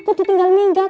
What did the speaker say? kok ditinggal minggat